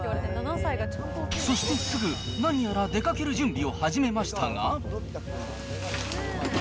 そしてすぐ何やら出かける準備を始めましたが。